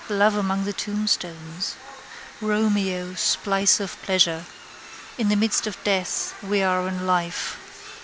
Love among the tombstones. Romeo. Spice of pleasure. In the midst of death we are in life.